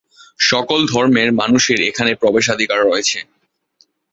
সকল ধর্মের মানুষের এখানে প্রবেশাধিকার রয়েছে।